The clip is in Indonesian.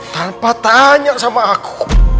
tanpa tanya sama aku